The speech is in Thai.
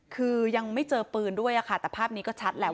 คือยังไม่เจอปืนด้วยค่ะแต่ภาพนี้ก็ชัดแหละ